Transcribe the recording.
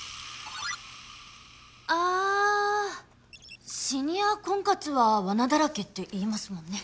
あシニア婚活はわなだらけっていいますもんね。